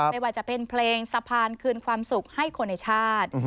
ไม่ว่าจะเป็นเพลงสะพานคืนความสุขให้คนในชาติ